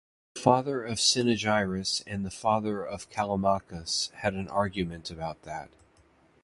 The father of Cynaegirus and the father of Callimachus had an argument about that.